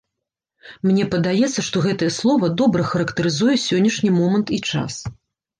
Мне падаецца, што гэтае слова добра характарызуе сённяшні момант і час.